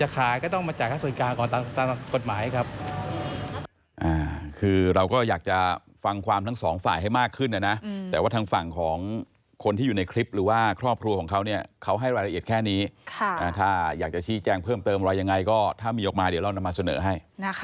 คือเราก็อยากจะฟังความทั้งสองฝ่ายให้มากขึ้นนะแต่ว่าทางฝั่งของคนที่อยู่ในคลิปหรือว่าครอบครัวของเขาเนี่ยเขาให้รายละเอียดแค่นี้ถ้าอยากจะชี้แจงเพิ่มเติมอะไรยังไงก็ถ้ามีออกมาเดี๋ยวเรานำมาเสนอให้